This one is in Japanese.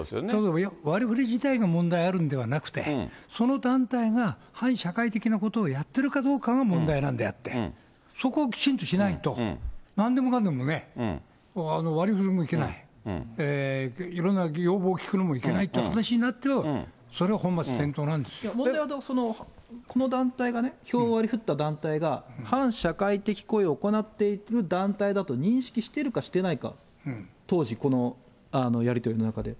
割りふり自体が問題あるんではなくて、その団体が反社会的なことをやっているかどうかが問題なんであって、そこをきちんとしないと、なんでもかんでもね、割りふりもいけない、いろんな要望を聞くのもいけないって話になっては、問題は、この団体が、票を割りふった団体が、反社会的行為を行っている団体だと認識しているかしてないか、当時、このやり取りの中で。